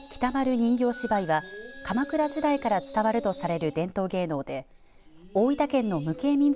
人形芝居は鎌倉時代から伝わるとされる伝統芸能で大分県の無形民俗